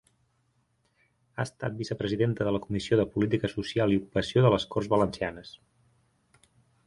Ha estat vicepresidenta de la Comissió de Política Social i Ocupació de les Corts Valencianes.